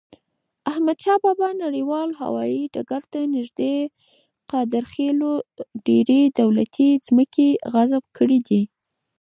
احمدشاه بابا نړیوال هوایی ډګر ته نږدې قادرخیلو ډیري دولتی مځکي غصب کړي دي.